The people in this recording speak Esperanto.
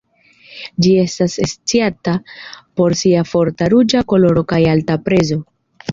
Ĝi estas sciata por sia forta ruĝa koloro kaj alta prezo.